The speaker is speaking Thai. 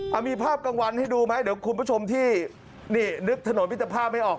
เอามีภาพกลางวันให้ดูไหมเดี๋ยวคุณผู้ชมที่นี่นึกถนนมิตรภาพไม่ออก